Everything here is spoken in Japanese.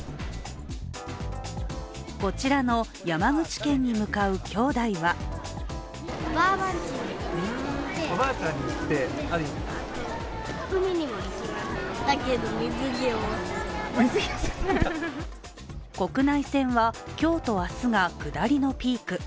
こちらの山口県に向かう兄弟は国内線は今日と明日が下りのピーク。